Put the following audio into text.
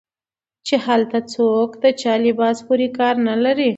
چې هلته څوک د چا لباس پورې کار نه لري